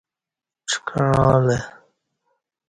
ڄکعاں لہ